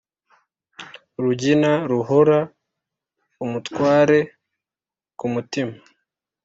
Rugina ruhora umutware ku mutima